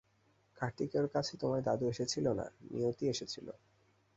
কার্তিকেয়র কাছে তোমার দাদু এসেছিলো না, নিয়তি এসেছিলো।